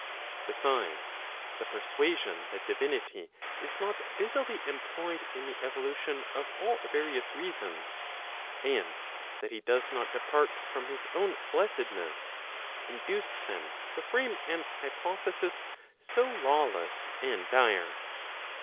Besides, the persuasion that Divinity is not busily employed in the evolution of all¬ various reasons, and that he docs not depart from his own blessedness. Digitized by t^OOQLe 494 TEN DOUBTS induced them to frame an hypothesis so lawless and dire.